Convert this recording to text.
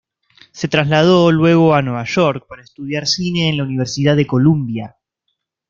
Se trasladó luego a Nueva York para estudiar cine en la Universidad de Columbia.